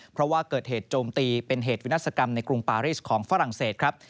เพราะว่าเกิดเหตุโจมตีเป็นเหตุวินาศกรรมในกรุงปาริสของฝรั่งเศสครับ